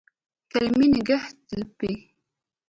کلمې د نګهت لپې